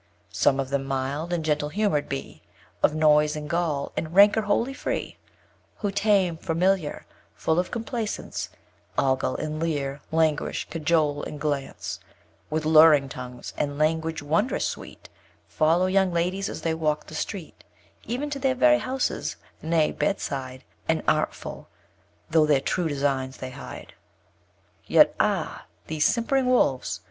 Some of them mild and gentle humour'd be, Of noise and gall, and rancour wholly free; Who tame, familiar, full of complaisance Ogle and leer, languish, cajole and glance; With luring tongues, and language wond'rous sweet, Follow young ladies as they walk the street, Ev'n to their very houses, nay, bedside, And, artful, tho' their true designs they hide; Yet ah! these simpering Wolves!